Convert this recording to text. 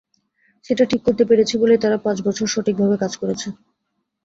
সেটা ঠিক করতে পেরেছি বলেই তারা পাঁচ বছর সঠিকভাবে কাজ করেছে।